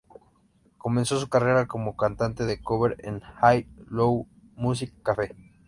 Comenzó su carrera como cantante de cover en el Hai Luo Music Cafe.